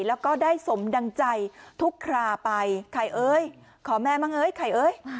แล้วก็ได้สมดังใจทุกคราไปไข่เอ้ยขอแม่บ้างเอ้ยไข่เอ้ย